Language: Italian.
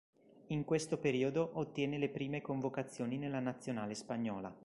In questo periodo ottiene le prime convocazioni nella Nazionale spagnola.